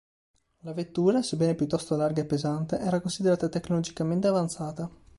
La vettura, sebbene piuttosto larga e pesante, era considerata tecnologicamente avanzata.